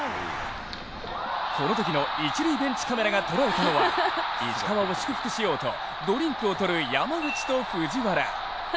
このときの一塁ベンチカメラが捉えたのは石川を祝福しようとドリンクを取る、山口と藤原。